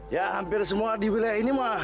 ya hampir semua di wilayah ini mah